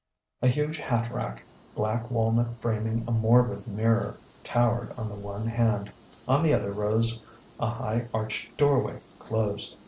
A huge hat rack, black walnut framing a morbid mirror, towered on the one hand; on the other rose a high arched doorway, closed.